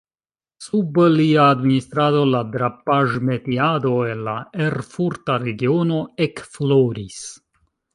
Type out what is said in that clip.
Sub lia administrado la drapaĵ-metiado en la erfurta regiono ekfloris.